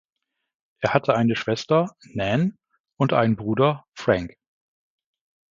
Er hatte eine Schwester, Nan, und einen Bruder, Frank.